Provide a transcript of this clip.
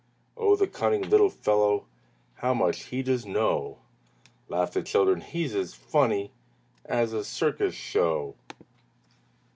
"Oh! the cunning little fellow! How much he does know!" Laughed the children, "He's as funny As a circus show!"